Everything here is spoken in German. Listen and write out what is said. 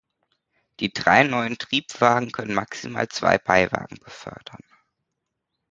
Die drei neuen Triebwagen können maximal zwei Beiwagen befördern.